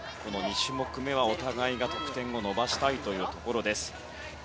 ２種目めは、お互いに得点を伸ばしたいところです。